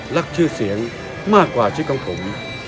รักเชื่อเสียงมากกว่าชีวิตของผม